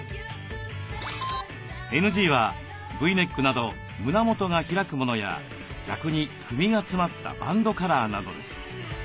ＮＧはＶネックなど胸元が開くものや逆に首が詰まったバンドカラーなどです。